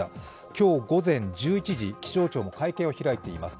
今日午前１１時、気象庁が会見を開いています。